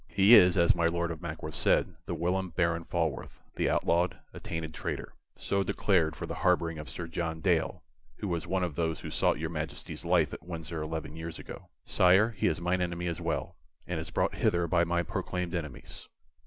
He is, as my Lord of Mackworth said, the whilom Baron Falworth, the outlawed, attainted traitor; so declared for the harboring of Sir John Dale, who was one of those who sought your Majesty's life at Windsor eleven years ago. Sire, he is mine enemy as well, and is brought hither by my proclaimed enemies.